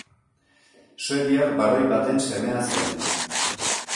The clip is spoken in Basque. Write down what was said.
Suediar baroi baten semea zen.